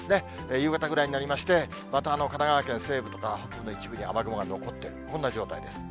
夕方ぐらいになりまして、また神奈川県西部とか北部の一部に雨雲が残っているという、こんな状態です。